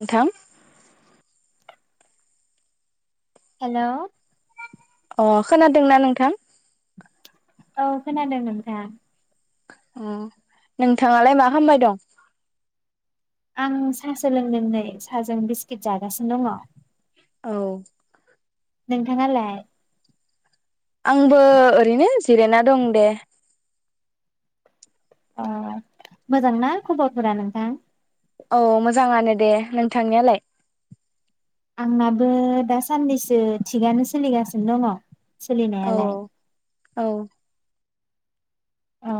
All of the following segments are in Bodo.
नोंथां हेल' अ खोनादोंना नोंथां औ खोनादों नोंथां अ नोंथाङालाय मा खालामबाय दं आं साहा सोलोंदों नै साहाजों बिस्किट जागासिनो दङ औ नोंथाङालाय आंबो ओरैनो जिरायना दं दे। अ मोजांना खबरफोरा नोंथां औ मोजाङानो दे नोंथांनायालाय? आंनाबो दासान्नैसो थिगानो सोलिगासिनो दङ। औ सोलिनायालाय औ औ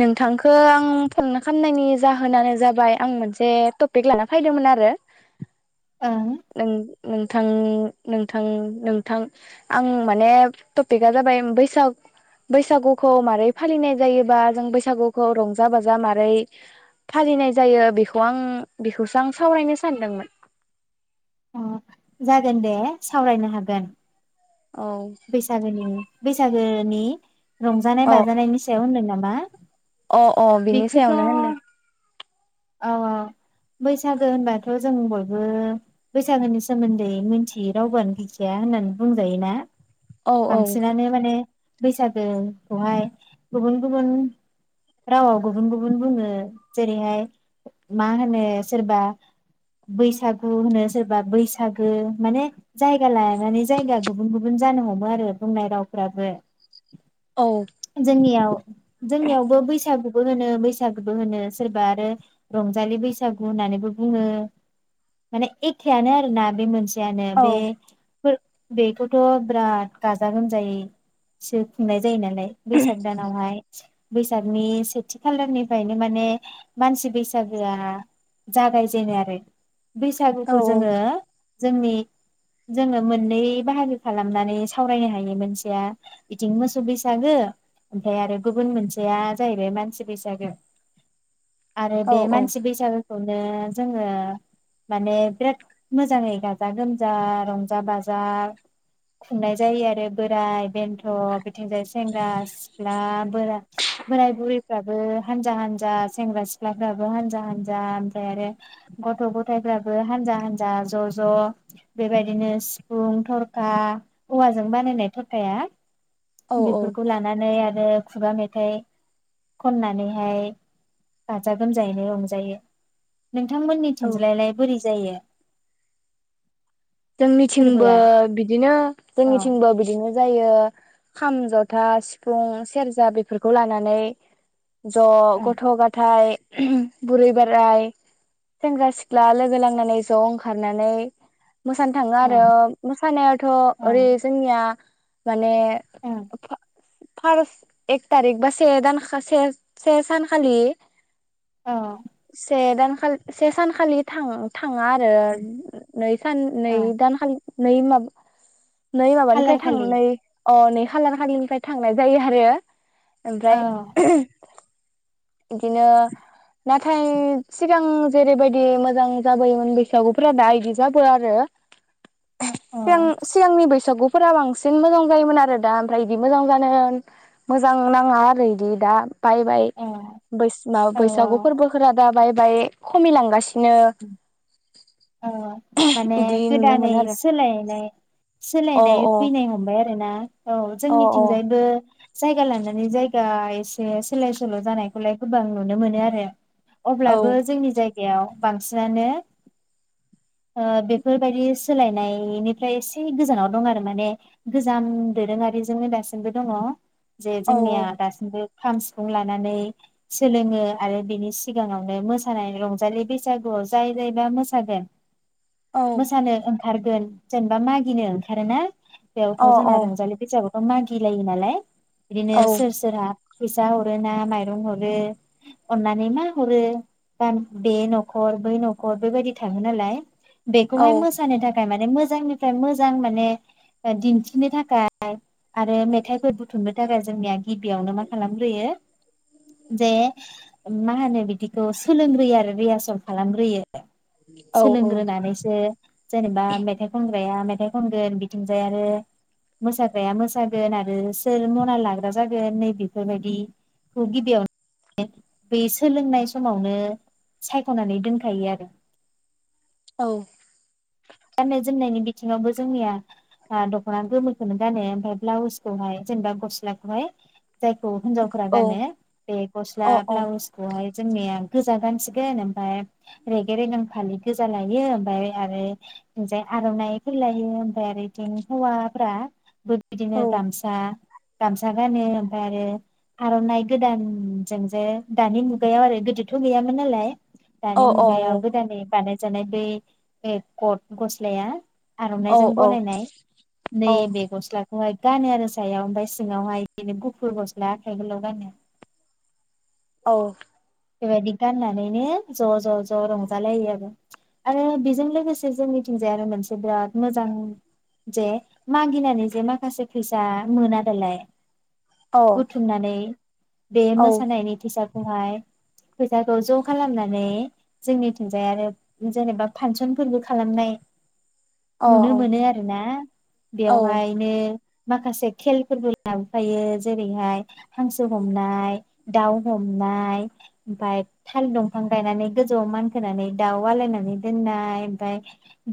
नोंथांखो आं फन खालामनायनि जाहोनानो जाबाय आं मोनसे टपिक लाना फैदोंमोन आरो ओं नों नोंथां नोंथां नोंथां आं माने टपिकआ जाबाय बैसाग बैसागुखौ मारै फालिनाय जायोबा जों बैसागुखौ रंजा बाजा माबारै फालिनाय जायो बेखौ आं बेखौसो आं सावरायनो सानदोंमोन। अ जागोन दे सावरायनो हागोन। औ बैसागोनि बैसागो नि रंजानाय औ बाजानायनि सायाव होनदों नामा? मा अ अ बिनि सायावनो होनदों। औ औ बैसागो होनबाथ' जों बयबो बैसागोनि सोमोन्दै मिथियै रावबोआानो गैखाया होननानै बुंजायो ना। औ औ बांसिनानो माने। बैसागोखौहाय गुबुन गुबुन रावाव गुबुन गुबुन बुङो जेरैहाय मा होनो सोरबा बैसागु होनो सोरबा बैसागो माने जायगा लानानै जायगा गुबुन गुबुन। जानो हमो आरो बुंनाय रावफ्राबो। औ जोंनियाव जोंनियावबो बैसागु होनो बैसागु होनो सोरबा आरो रंजालि बैसागु होननानैबो बुङो माने एखेआनो आरोना बे मोनसे सेयानो औ बे बेखौथ' बिराद गाजा गोमजायैसो खुंनाय जायो नालाय बैसाग दानावहाय बैसागनि सेथि खालारनिफ्रायनो माने मानसि बैसागोआ जागायजेनो आरो बैसागुखौ जोङो जोंनि जोङो मोननै बाहागो खालामनानै सावरायनो हायो मोनसेया बिथिं मोसौ बैसागो ओमफ्राय आरो गुबुन मोनसेया जाहैबाय मानसि बैसागो आरो औ बे मानसि औ बैसागो खौनो जोङो माने बिराद मोजाङै गाजा गोमजा रंजा बाजा खुंनाय जायो आरो बोराय बेन्थ' बेथिंजाय सेंग्रा सिख्ला बोरा बोराय बुरैफ्राबो हानजा हानजा सेंग्रा सिख्लाफ्राबो हानजा हानजा ओमफ्राय आरो गथ' गथायफ्राबो हानजा हानजा ज' ज' बेबायदिनो सिफुं थर औवाजों बानायनाय थरखाया औ बेफोरखौ लानानै आरो खुगा मेथाइ खननानैहाय गाजा गोमजायैनो रंजायो। नोंथांमोननि औ थिंज्लायलाय बोरै? जायो। जोंनिथिंबो फोरबोआ बिदि बिदिनो औ जोंनिथिंबो बिदिनो जायो खाम जथा सिफुं सेरजा बेफोरखौ लानानै ज' औ गथ' गथाय बुरै बोराय सेंग्रा सिख्ला लोगो लांनानै ज' ओंखारनानै मोसानो थाङो ओ आरो मोसानायाथ' ओ ओरै जोंनिया माने ओ [unintelligible] फार्स एक तारिक बा से दानबा से-से सानखालि औ से दान खालि से सानखालि थांङो था थाङा आरो ओ नै सान नै दानलि नै माबा नै माबानिफ्राय खालार खालि थांनानै ओ नै खालार खालिनिफ्राय थांनाय जायो आरो औ ओमफ्राय [unintelligible] बिदिनो नाथाय सिगां जेरैबायदि मोजां जाबोयोमोन बैसागुफोरा दा इदि जाबो आ आरो [unintelligible] औ सिगां सिगांनि बैसागु फोरा बांसिन मोजां जायोमोन आरो दा ओमफ्राय इदि मोजां जानो मोजां नाङा आरो इदि दा बायबाय औ बै माबा बैसागु औ फोरबोफोरा दा बाय बाय खमिलांगासिनो उम ओ माने इदि नुनो गोदानै मोनो आरो सोलायनाय अ सोलायनाय अ फैनाय हमबाय आरो ना औ जोंनिथिंजायबो जायगा लानानै जायगा एसे सोलाय सोल' जानायखौलाय गोबां नुनो मोनो आरो अब्लाबो जोंनि जायगायाव बेयाव बांसिनानो ओ बेफोरबायदि सोलायनायनिफ्राय एसे गोजानाव दं आरो माने गोजाम दोरोङारिजोंनो दासिमबो दङ जे जोंनिया दासिमबो खाम सिफुं लानानै सोलोङो आरो बिनि सिगाङावनो मोसानाय रंजालि बैसागुआव जाय जायबा मोसागोन मोसानो ओंखारगोन जेनेबा मागिनो ओंखारोना बेयावथ' जोंना रंजालि बैसागु ओ मागि लायो नालाय बिदिनो सोर सोरहा फैसा हरो ना माइरं हरो अननानै मा हरो बा बे न'खर बै न'खर बेबायदि थाङो नालाय बेखौहाय मोसानो थाखाय मा ने मोजांनिफ्राय मोजां माने ओ दिन्थिनो थाखाय आरो मेथाइफोर बुथुमनो थाखाय जोंनिया गिबियावनो मा खालामग्रोयो जे मा होनो बिदिखौ सोलोंग्रोयो आरो रिहासल खालामग्रोयो औ औ ग्रो नानैसो जेनेबा मेथाइ खन ग्राया मेथाइ खनगोन बिथिंजाय आरो मोसाग्राया मोसागोन आरो सोर मना लाग्रा जागोन नै बेफोरबायदिखौ गिबियावनो बै सोलोंनाय समावनो सायख'नानै दोनखायो आरो औ गाननाय जोमनायनि बिथिङावबो जोंनिया आ दख'ना गोमोखौनो गानो ओमफ्राय ब्लाउसखौहाय जेनेबा गस्लाखौहाय जायखौ हिनजावफोरा गानो बे गस्ला ब्लाउसखौहाय जोंनिया गोजा गानसिगोन ओमफाय रेगे रिगां फालि गोजा लायो ओमफ्राय आरो जाय आर'नाइफोर लायो ओमफ्राय आरो इथिं हौवाफोरा बिदिनो गामसा गामसा गानो ओमफ्राय आरो आर'नाइ गोदानजों जे दानि मुगायाव आरो गोदोथ' गैयामोन नालाय दानि मुगाया गोदानै बानाय जानाय बै ए कट गस्लाया आर'नाइजों बनायनाय नै बे गस्ला गानो आरो सायाव ओमफ्राय सिङावहाय बिनो गुफुर गस्ला आखाइ गोलाव गानो औ बेबायदि गाननानैनो ज' ज' ज' रंजालायो आरो आरो बेजों लोगोसे जोंनिथिंजाय आरो मोनसे बिराद मोजां जे मागिनानै जे माखासे फैसा मोना दालाय बुथुमनानै बे मोसानायनि टिचार माय फैसाखौ ज' खालामनानै जोंनि थिनजाय आरो जेनेबा फांसनफोरबो खालामनाय नुनो मोनो आरो ना बेयावहायनो माखासे खेलफोरबो लाबोफायो जेरैहाय हांसो हमनाय दाउ हमनाय ओमफाय थाल दंफां गायनानै गोजौआव मानखोनानै दाउ आलायनानै दोननाय ओमफाय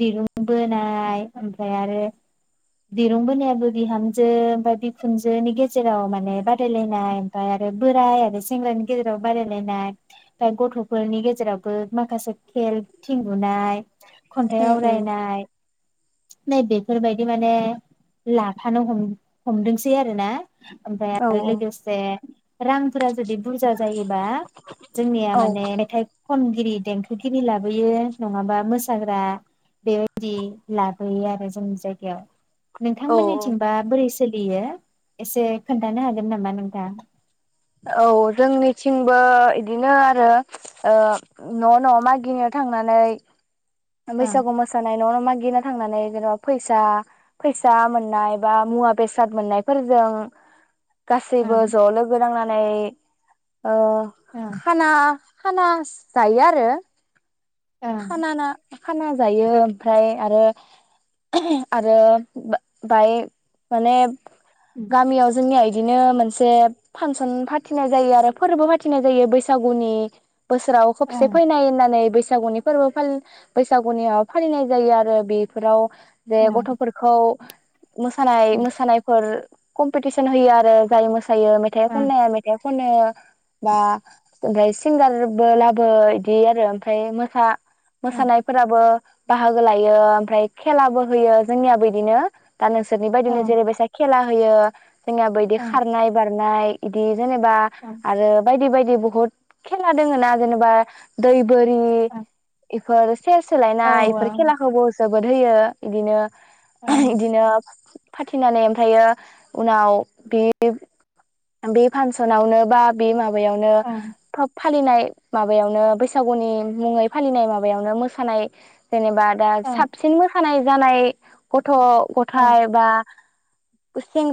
दिरुं बोनाय ओमफ्राय आरो दिरुं बोनायाबो बिहामजो ओमफाय बिखुनजोनि गेजेराव माने बादायलायनाय ओमफाय आरो बोराय आरो सेंग्रानि गेजेराव बादाय लायनाय फाय गथ'फोरनि गेजेरावबो माखासे खेल थिं बुनाय खन्थाइ आवरायनाय नै बेफोरबायदि माने लाफानो हम हमदोंसै आरो ना ओमफाय औ आरो लोगोसे रांफोरा जुदि बुरजा जायोबा जोंनिया माने मेथाइ खनगिरि देंखोगिरि लाबोयो नङाबा मोसाग्रा बेबायदि लाबोयो आरो जोंनि जायगायाव औ नोंथांमोननिथिंबा बोरै सो सोलियो एसे खोन्थानो हागोन नामा नोंथां औ जोंनिथिंबो इदिनो आरो ओ न' न' मागिनो थांनानै ओं बैसागु मोसानाय नङा मागि मागिनो थांनानै जेन'बा फैसा फैसा मोननाय बा मुवा बेसाद मोननायफोरजों गासैबो ओं ज' लोगो नांना नै ओ खाना खाना जायो आरो ओं खाना ना खाना जायो ओमफ्राय आरो आरो बा बाय माने गामियाव जोंनिआय बिदिनो मोनसे फांसन फाथिनाय जायो आरो फोरबो फाथिनाय जायो बैसागुनि बोसोराव खोबसे ओं फैनाय होननानै बै जागोननि फोरबो फालि बैसागुनियाव फालिनाय जायो आरो बेफोराव जे ओं गथ'फोरखौ मोसानाय मोसानायफोर कमपिटिसन होयो आरो गावनिनो थायो मेथाइ ओं खननाया मेथाइ खनो बा ओमफ्राय सिंगारबो लाबो इदि आरो ओमफ्राय मोसा ओं मोसानाय फोराबो बाहागो लायो ओमफ्राय खेलाबो होयो जोंनियाबो बिदिनो दा नोंसोरनि बायदिनो ओं जेरै बायसा खेला होयो जोंहा बायदि ओं खारनाय बारनाय इदि जेनेबा ओं आरो बायदि बायदि ओ बुहुत खेला दङ ना जेनेबा दै बोरि ओं एफोर सेयार औ सोलायनाय इफोर खेलाखौबो जोबोद होयो बिदिनो ओं इदिनो फाथिनानै ओमफ्रायो उनाव बे बे फांसनावनो बा बे माबा यावनो ओं था फालिनाय माबायावनो बैसागुनि मुङै फालिनाय माबायावनो मोसानाय जेनेबा दा ओं साबसिन मोसानाय जानाय गथ' औ गथाय बा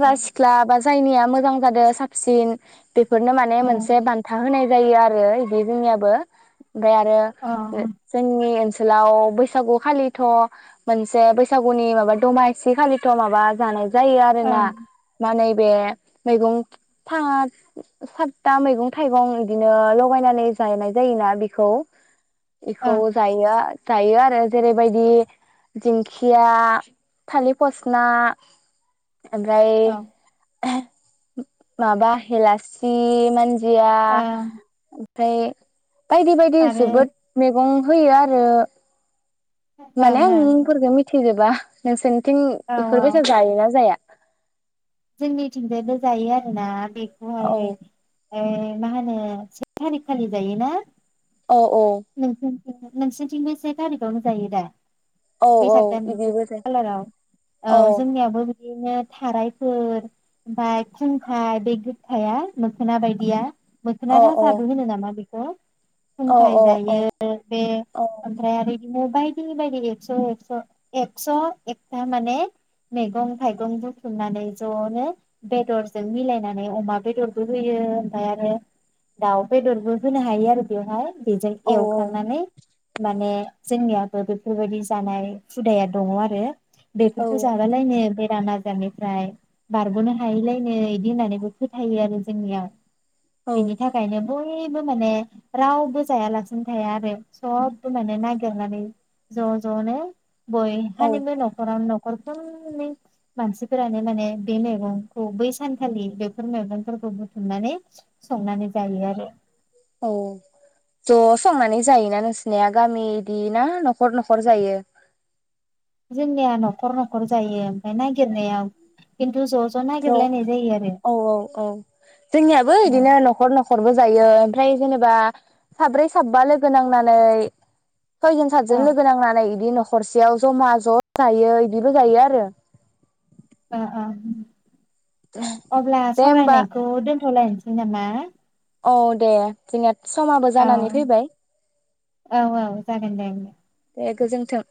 औ सिख्ला बा जायनिया मोजां जादों साबसिन बेफोरनो माने औ मोनसे बान्था होनाय जायो आरो बिदि जोंनियाबो ओमफाय आरो औ जोंनि ओनसोलाव बैसागु खालिथ' मोनसे बैसागुनि माबा दमासि खालिथ' माबा जानाय जायो आरोना ओं माने बे मैगं सात सातथा मैगं थाइगं बिदिनो लगायनानै जानाय जायोना बेखौ इखौ जायो जायो आरो जेरैबायदि दिंखिया थालिर फसना ओमफ्राय माबा हेलासि मान जिया ओमफ्राय बायदि बायदि आरो जोबोद मैगं होयो आरो ओं माने आं ओं मुंफोरखौ मिथि जोबो बा नोंसोन बथिं औ इफोरबायसा जायोना जाया जोंनिथिंजायनो जायो आरोना बे औ ए मा होनो से थारिगखालि जायोना औ अ नोंसोरथिंबो सेथारिगावनो जायो दा औ औ बैसाग दाननि सेथि बिदिबो जायो खालाराव औ जोंनियाबो बिदिनो थाराय फोर ओमफाय खुंखा बे गोखा मोखोना बायदिया मोखोना औ औ राजाबो होनो नामा बे ओ औ खुनथाय औ जायो बे औ ओमफ्राय आरो ओ बायदि बायदि एकस' एकस' एकस' एकथा माने मैगं थाइगं बुथुमनानै ज'नो बेदरजों मिलायनानै अमा बेदरबो होयो ओमफाय आरो दाउ बेदरबो होनो हायो आरो बेवहाय जायो औ एवखानानै माने जोंनियाबो बेफोरबायदि जानाय हुदाया दङ आरो बेफोरखौ औ जाबालायनो [unintelligible] जानिफ्राय बारग'नो हायैलायनो इदि होननानैबो फोथायो आरो जोंनियाव औ बेनि थाखायनो बयबो माने रावबो जायालासिनो थाया आरो सबबो माने नागिरनानै ज' ज'नो बय औ हानिबो न'खरावनो अरखोमनि मानसिफोरानो माने बे मैगंखौ बै सानखालि बेफोर मैगंफोरखौ बुथुमनानै संनानै जायो आरो औ ज' संनानै जायोना नोंसिनिया गामि इदि ना न'खर न'खर जायो जोंनिया न'खर न'खर जायो ओमफाय नागिरनाया खिन्थु ज' ज' थोर नागिरलायनाय जायो आरो औ औ औ औ जोंनियाबो औ बिदिनो न'खर न'खरबो जायो‌ ओमफ्राय जेनेबा साब्रै साबा लोगो नांनानै सयजन औ सातजन लोगो नांनानै बिदि न'ख हरसेयाव ज'मा ज' जायो बिदिबो जायो आरो ओ ओं अब्ला दे होमबा सावरायनायखौ दोनथ'लायनोसै [unintelligible] औ दे थिंआ समाबो औ जानानै फैबाय औ जागोन दे दे गोजोन्थों